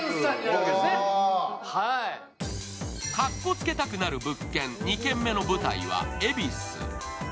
カッコつけたくなる物件、２軒目の舞台は恵比寿。